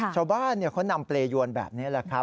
ชาวบ้านเขานำเปรยวนแบบนี้